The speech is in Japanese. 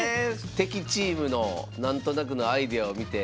敵チームの何となくのアイデアを見て。